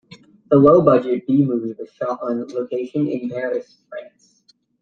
The low-budget B-movie was shot on location in Paris, France.